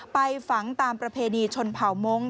ไปฝังตามประเพณีชนเผ่ามงค